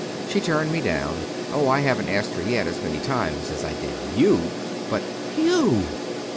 She turned me down. Oh, I haven't asked her yet as many times as I did you, but " "_Hugh!